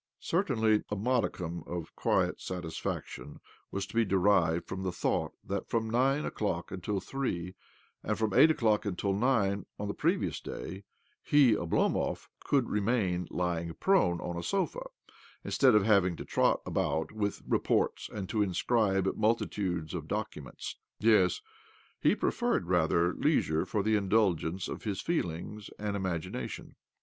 " Certainly a modicum of quiet satisfaction was to be derived from the thought that from nine o'clock until three, and from eight o'clock until nine on the following day, he, Oblomov, could remain lying prone on a sofa instead of having to trot about with reports and to inscribe multitudes of docu ments. Yes, he preferred, rather, leisure for the indulgence of his feelings and imagi nation.